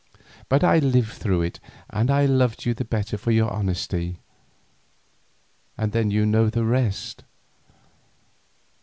But I lived through it and I loved you the better for your honesty, and then you know the rest.